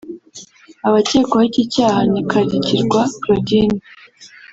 Abakekwaho iki cyaha ni Karigirwa Claudine